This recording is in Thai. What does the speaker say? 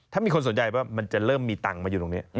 ถ้ามีคนสนใจว่ามันจะเริ่มมีตังค์มาอยู่ตรงนี้